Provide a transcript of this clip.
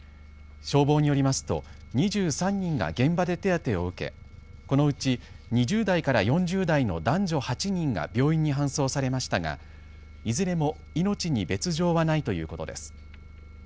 消防によりますと２３人が現場で手当てを受けこのうち２０代から４０代の男女８人が病院に搬送されましたがいずれも命に別状はないということです。